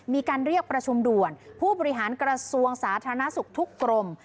มีการเรียกประชุมด่วนผู้บริหารกระทรวงสาธารณสุขทุกกรม